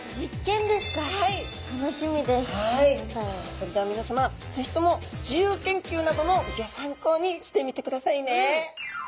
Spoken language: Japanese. それでは皆さま是非とも自由研究などのギョ参考にしてみてくださいね！